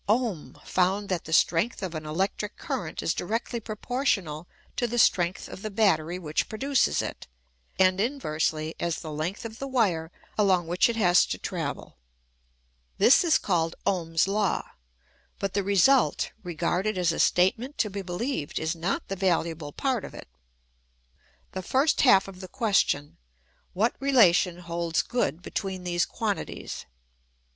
Ohm found that the strength of an electric current is directly proportional to the strength of the battery which pro duces it, and inversely as the length of the wire along which it has to travel. This is called Ohm's law ; but the result, regarded as a statement to be beheved, is not the valuable part of it. The first half is the ques tion : what relation holds good between these quantities?